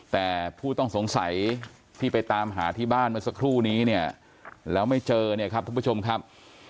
แต่ผู้ต้องสงสัยที่ไปตามหาที่บ้านเมื่อสักครู่นี้เนี่ยแล้วไม่เจอเนี่ยครับทุกผู้ชมครับ